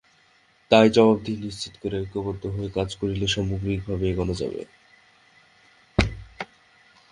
তাই জবাবদিহি নিশ্চিত করে ঐক্যবদ্ধ হয়ে কাজ করলেই সামগ্রিকভাবে এগোনো যাবে।